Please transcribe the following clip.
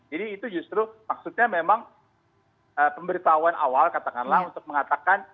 jadi itu justru maksudnya memang pemberitahuan awal katakanlah untuk mengatakan